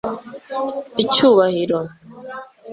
Icyubahiro